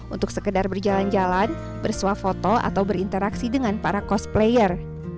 untuk sekedar berjalan jalan bersuah foto atau berinteraksi dengan para cosplayer